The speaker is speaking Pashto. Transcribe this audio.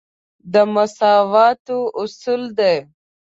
د مساواتو اصول دی.